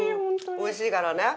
おいしいからね。